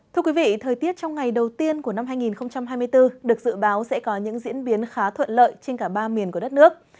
thưa quý vị thời tiết trong ngày đầu tiên của năm hai nghìn hai mươi bốn được dự báo sẽ có những diễn biến khá thuận lợi trên cả ba miền của đất nước